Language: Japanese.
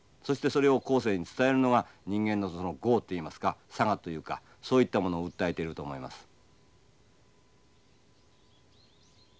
そしてそれを後世に伝えるのが人間の業といいますか性というかそういったものを訴えていると思います。